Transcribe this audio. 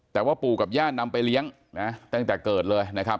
แต่ว่าปู่กับย่านำไปเลี้ยงนะตั้งแต่เกิดเลยนะครับ